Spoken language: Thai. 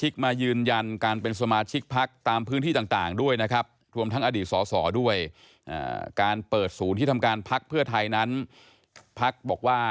การพักฐาหารที่ไทยนั้นพักฐาหารบอกว่า